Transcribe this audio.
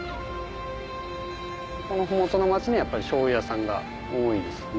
この麓の町にやっぱり醤油屋さんが多いですね。